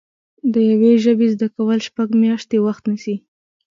د یوې ژبې زده کول شپږ میاشتې وخت نیسي